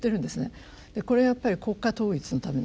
これやっぱり国家統一のためなんです。